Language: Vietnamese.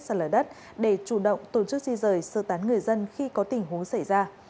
sạt lở đất để chủ động tổ chức di rời sơ tán người dân khi có tình huống xảy ra